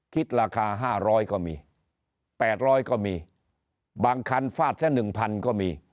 คิดราคา๕๐๐ก็มี๘๐๐ก็มีบางคันฟาดซะ๑๐๐ก็มี